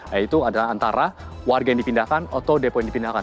yaitu adalah antara warga yang dipindahkan atau depo yang dipindahkan